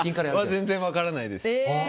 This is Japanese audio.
全然分からないです。